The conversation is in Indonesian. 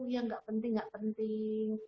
yang gak penting gak penting